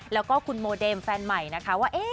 แล้วก็คุณโมเดมแฟนใหม่นะคะว่า